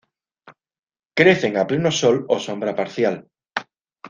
Crecen a pleno sol o sombra parcial.